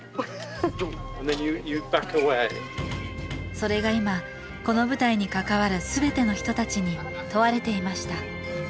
それが今この舞台に関わるすべての人たちに問われていました